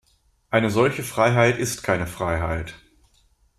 Eine solche Freiheit ist keine Freiheit.